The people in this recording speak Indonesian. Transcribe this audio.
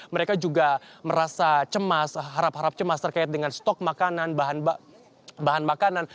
mereka juga merasa cemas harap harap cemas terkait dengan stok makanan bahan makanan